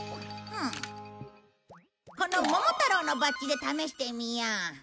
この『ももたろう』のバッジで試してみよう。